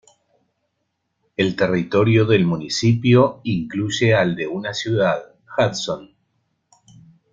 El territorio del municipio incluye al de una ciudad, Hudson.